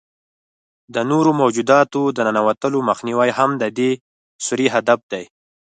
د نورو موجوداتو د ننوتلو مخنیوی هم د دې سوري هدف دی.